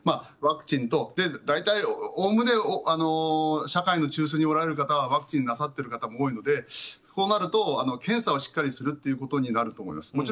ワクチンと大体おおむね社会の中心におられる方はワクチンなさっている方も多いのでこうなると検査をしっかりするということになると思います。